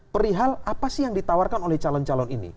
perihal apa sih yang ditawarkan oleh calon calon ini